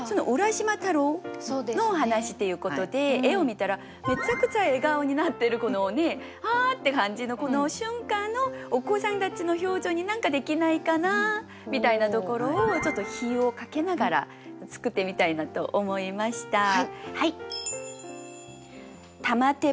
「浦島太郎」のお話っていうことで絵を見たらめちゃくちゃ笑顔になってる「あ！」って感じのこの瞬間のお子さんたちの表情に何かできないかなみたいなところをちょっと比喩をかけながら作ってみたいなと思いました。